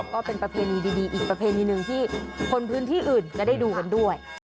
ก็เป็นประเพณีดีอีกประเพณีหนึ่งที่คนพื้นที่อื่นจะได้ดูกันด้วย